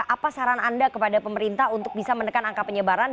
apa saran anda kepada pemerintah untuk bisa menekan angka penyebaran